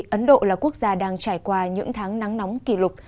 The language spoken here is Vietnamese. ấn độ là quốc gia đang trải qua những tháng nắng nóng kỷ lục